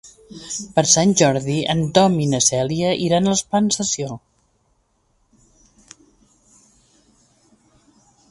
Per Sant Jordi en Tom i na Cèlia iran als Plans de Sió.